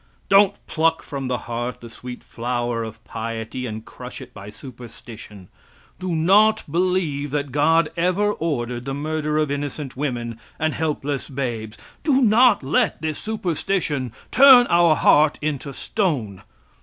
Don't pluck from the heart the sweet flower of piety and crush it by superstition. Do not believe that God ever ordered the murder of innocent women and helpless babes. Do not let this superstition turn our heart into stone.